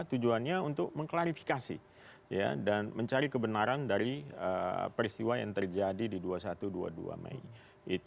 tujuannya untuk mengklarifikasi dan mencari kebenaran dari peristiwa yang terjadi di dua puluh satu dua puluh dua mei